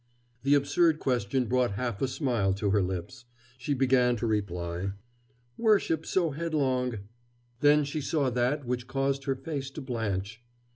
The absurd question brought half a smile to her lips. She began to reply: "Worship so headlong " Then she saw that which caused her face to blanch.